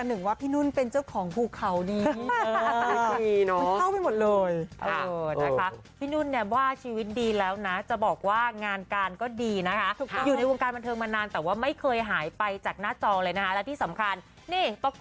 หนึ่งว่าพี่นุ้นเป็นเจ้าของภูเขาดีเอ่อดีน้องเข้าไปหมดเลยอ่ะ